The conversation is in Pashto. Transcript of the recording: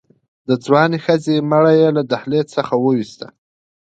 د ځوانې ښځې مړی يې له دهلېز څخه ووېسته.